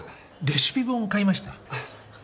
レシピ本買いました。